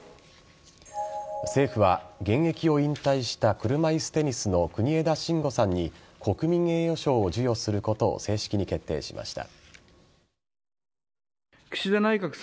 政府は、現役を引退した車いすテニスの国枝慎吾さんに国民栄誉賞を授与することを正式に決定しました。